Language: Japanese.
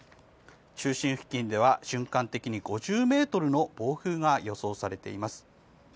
中心付近では瞬間的に５０ｍの暴風が予想されています。